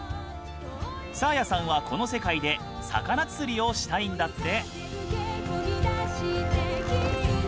サーヤさんはこの世界で魚釣りをしたいんだって！